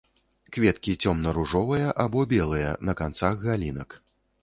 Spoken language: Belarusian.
Кветкі цёмна-ружовыя або белыя, на канцах галінак.